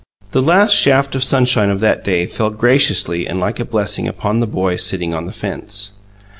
The last shaft of sunshine of that day fell graciously and like a blessing upon the boy sitting on the fence.